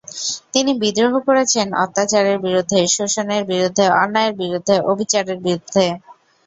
তিনি বিদ্রোহ করেছেন অত্যাচারের বিরুদ্ধে, শোষণের বিরুদ্ধে, অন্যায়ের বিরুদ্ধে, অবিচারের বিরুদ্ধে।